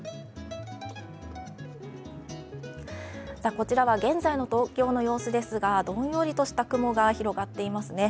こちらは現在の東京の様子ですがどんよりとした雲が広がっていますね。